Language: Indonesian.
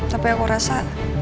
tapi aku rasa